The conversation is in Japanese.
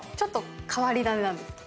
変わり種なんですけど。